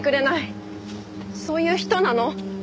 そういう人なの。